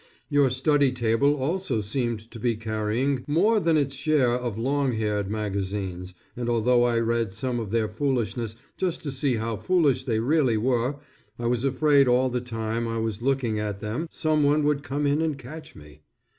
Your study table also seemed to be carrying more than its share of long haired magazines, and although I read some of their foolishness just to see how foolish they really were, I was afraid all the time I was looking at them, some one would come in and catch me.